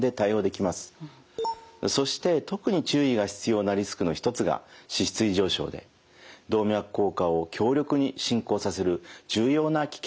そして特に注意が必要なリスクの一つが脂質異常症で動脈硬化を強力に進行させる重要な危険因子です。